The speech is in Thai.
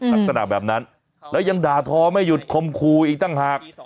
ลักษณะแบบนั้นแล้วยังด่าทอไม่หยุดคมคู่อีกต่างหาก